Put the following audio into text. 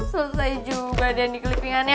selesai juga deh dikelilingan ya